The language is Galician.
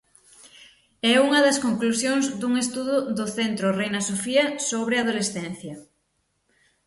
É unha das conclusións dun estudo do Centro Reina Sofía sobre adolescencia.